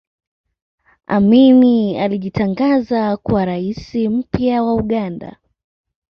amini alijitangaza kuwa rais mpya wa uganda